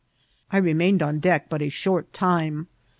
I remained on deck but a short time.